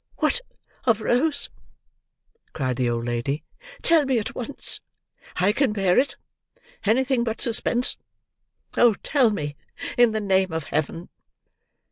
"What of Rose?" cried the old lady. "Tell me at once! I can bear it; anything but suspense! Oh, tell me! in the name of Heaven!"